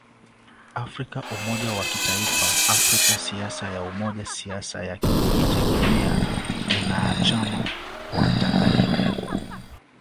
Afrika umoja wa kitaifa Afrika Siasa ya ujamaa Siasa ya kujitegemea Uanachama wa Tanganyika